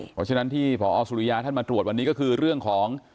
เพราะฉะนั้นที่พอสุริยาท่านมาตรวจวันนี้ก็คือเรื่องของ